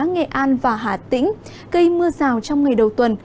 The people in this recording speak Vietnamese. nghệ an và hà tĩnh gây mưa rào trong ngày đầu tuần